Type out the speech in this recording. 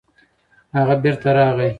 هغه بېرته راغی.